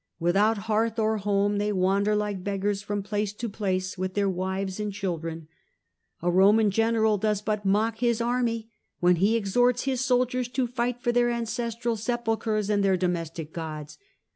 Without hearth or home, they wander like beggars from place to place with their wives and children. A Roman general does but mock his army when he exhorts his soldiers to fight for their ancestral sepulchres and their domestic gods.